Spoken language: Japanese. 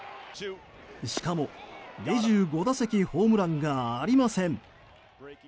しかも２５打席ホームランがありません。